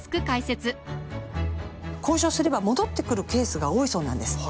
交渉すれば戻ってくるケースが多いそうなんです。